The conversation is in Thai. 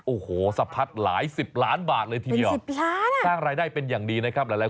โอ้โหสะพัดหลายสิบล้านบาทเลยทีเดียวสร้างรายได้เป็นอย่างดีนะครับหลาย